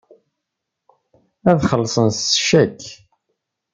Ad xellṣen s ccak.